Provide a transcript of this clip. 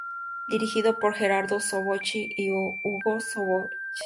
Dirigido por Gerardo Sofovich y Hugo Sofovich.